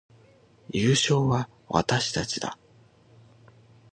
優勝は私たちだ